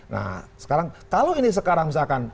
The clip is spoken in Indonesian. nah sekarang kalau ini sekarang misalkan